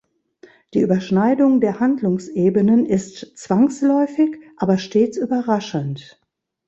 Die Überschneidung der Handlungsebenen ist zwangsläufig, aber stets überraschend.